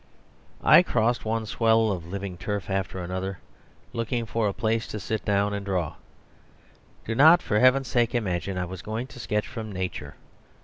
I crossed one swell of living turf after another, looking for a place to sit down and draw. Do not, for heaven's sake, imagine I was going to sketch from Nature.